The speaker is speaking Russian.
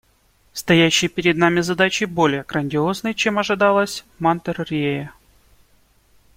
Стоящие перед нами задачи более грандиозны, чем ожидалось в Монтеррее.